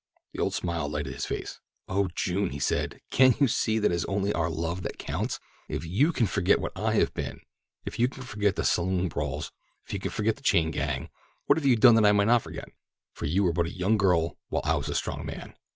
The old smile lighted his face. "Oh, June," he said, "can't you see that it is only our love that counts? If you can forget what I have been—if you can forget the saloon brawls—if you can forget the chain gang—what have you done that I may not forget? For you were but a young girl, while I was a strong man.